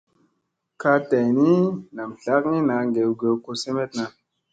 Kaa day ni, nam tlakgi naa gew gew ko semeɗna.